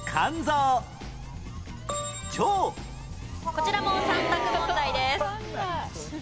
こちらも３択問題です。